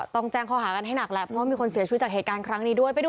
ต้องแจ้งข้อหากันให้หนักแหละเพราะว่ามีคนเสียชีวิตจากเหตุการณ์ครั้งนี้ด้วย